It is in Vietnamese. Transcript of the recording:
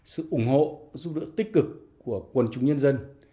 sự ủng hộ giúp đỡ tích cực của quần chúng nhân dân